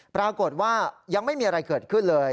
ปรากฏว่ายังไม่มีอะไรเกิดขึ้นเลย